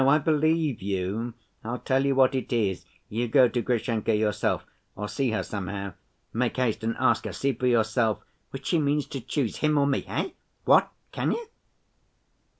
I believe you. I'll tell you what it is: you go to Grushenka yourself, or see her somehow; make haste and ask her; see for yourself, which she means to choose, him or me. Eh? What? Can you?"